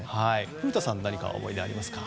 古田さんは何か思い出ありますか？